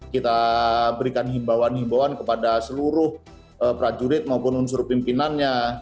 kita berikan himbauan himbauan kepada seluruh prajurit maupun unsur pimpinannya